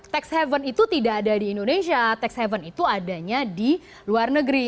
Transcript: tax haven itu tidak ada di indonesia tax haven itu adanya di luar negeri